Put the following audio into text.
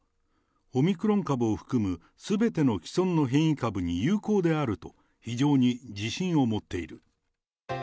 オミクロン株を含む、すべての既存の変異株に有効であると、非常に自信を持っている。